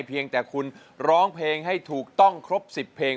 เพียงแต่คุณร้องเพลงให้ถูกต้องครบ๑๐เพลง